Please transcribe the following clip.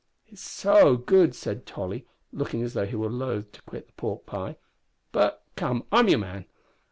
"It's so good," said Tolly, looking as though he were loath to quit the pork pie; "but, come, I'm your man!